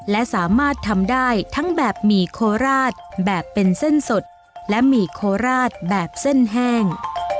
และสามารถทำได้ทั้งแบบหมี่โคราชแบบเป็นเส้นสดและหมี่โคราชแบบเส้นแห้ง